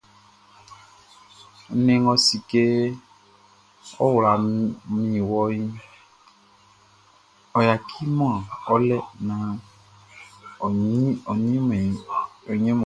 Nnɛn nga a si kɛ ɔ kwla min wɔʼn, ɔ yaciman ɔ lɛ naan ɔ ɲin ɔ.